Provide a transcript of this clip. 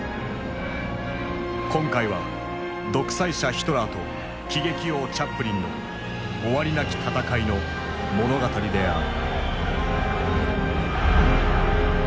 今回は独裁者ヒトラーと喜劇王チャップリンの終わりなき闘いの物語である。